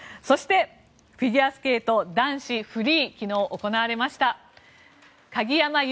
そしてフィギュアスケート男子フリーが昨日、行われました。